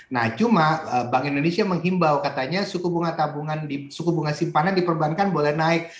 nah cuma bank indonesia menghimbau katanya suku bunga tabungan suku bunga simpanan diperbankan boleh naik